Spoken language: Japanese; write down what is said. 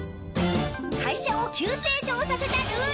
会社を急成長させたルール。